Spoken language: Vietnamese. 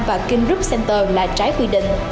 và king group center là trái quy định